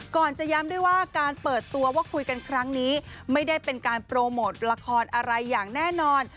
จะย้ำด้วยว่าการเปิดตัวว่าคุยกันครั้งนี้ไม่ได้เป็นการโปรโมทละครอะไรอย่างแน่นอน